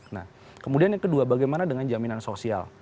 nah kemudian yang kedua bagaimana dengan jaminan sosial